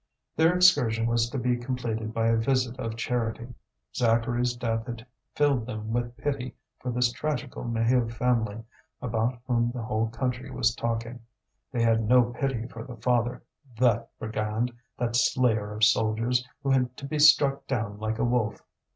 Their excursion was to be completed by a visit of charity. Zacharie's death had filled them with pity for this tragical Maheu family, about whom the whole country was talking. They had no pity for the father, that brigand, that slayer of soldiers, who had to be struck down like a wolf.